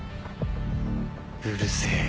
うるせぇ